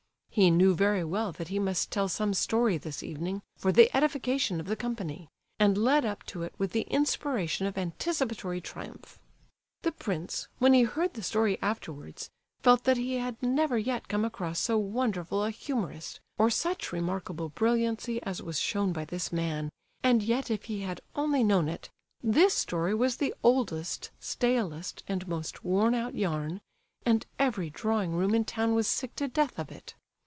He knew very well that he must tell some story this evening for the edification of the company, and led up to it with the inspiration of anticipatory triumph. The prince, when he heard the story afterwards, felt that he had never yet come across so wonderful a humorist, or such remarkable brilliancy as was shown by this man; and yet if he had only known it, this story was the oldest, stalest, and most worn out yarn, and every drawing room in town was sick to death of it.